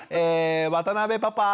渡邊パパ！